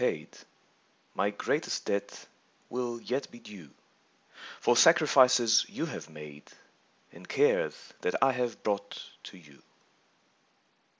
'* 7^0 My greatest debt will yet be due For sacrifices you bave made And cares that I have brought to you.